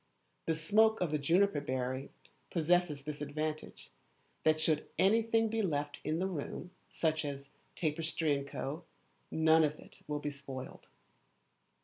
The smoke of the juniper berry possesses this advantage, that should anything be left in the room, such as; tapestry, &c., none of it will be spoiled.